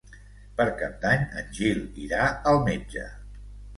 Per Cap d'Any en Gil irà al metge.